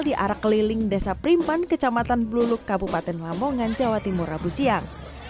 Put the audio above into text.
di arah keliling desa primpan kecamatan bluluk kabupaten lamongan jawa timur rabu siang